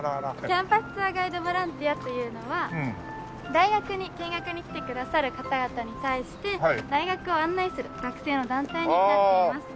キャンパスツアーガイドボランティアというのは大学に見学に来てくださる方々に対して大学を案内する学生の団体になっています。